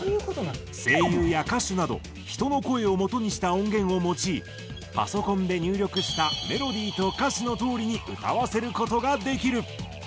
声優や歌手など人の声をもとにした音源を用いパソコンで入力したメロディーと歌詞のとおりに歌わせる事ができる。